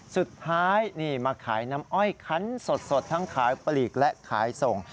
สุดท้ายนี่มาขายน้ำอ้อยคันสดทั้งขายปลีกและขายส่ง